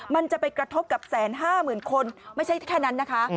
มันจะไปกระทบกับ๑๕๐๐๐คนไม่ใช่แค่นั้นนะคะ